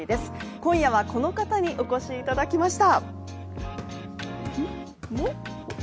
今夜はこの方にお越しいただきました！